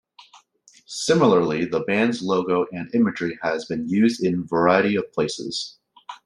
Similarly the band's logo and imagery has been used in a variety of places.